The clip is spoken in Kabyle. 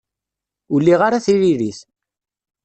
Ur liɣ ara tiririt.